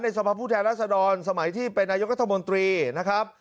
สภาพผู้แทนรัศดรสมัยที่เป็นนายกรัฐมนตรีนะครับ